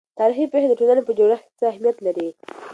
تاريخي پېښې د ټولنې په جوړښت کې څه اهمیت لري؟